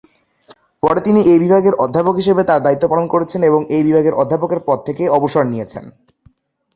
পরে তিনি এই বিভাগের অধ্যাপক হিসেবে তার দায়িত্ব পালন করেছেন এবং এই বিভাগের অধ্যাপকের পদ থেকে অবসর নিয়েছেন।